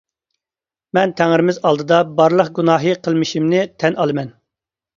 مەن تەڭرىمىز ئالدىدا بارلىق گۇناھى قىلمىشىمنى تەن ئالىمەن.